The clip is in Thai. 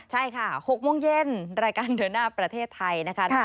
ใช่ค่ะ๖โมงเย็นรายการเดินหน้าประเทศไทยนะคะ